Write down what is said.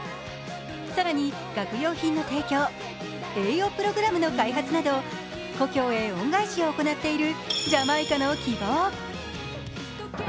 更に、学用品の提供、栄養プログラムの開発など故郷へ恩返しを行っているジャマイカの希望。